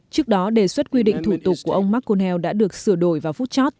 trước đó đề xuất quy định thủ tục của ông mcconell đã được sửa đổi vào phút chót